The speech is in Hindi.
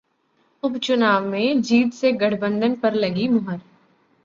उप-चुनाव में जीत से गठबंधन पर लगी मुहर